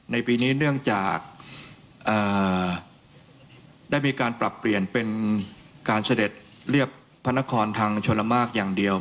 ในปีนี้เนื่องจากได้มีการปรับเปลี่ยนเป็นการเสด็จเรียบพระนครทางชลมากอย่างเดียว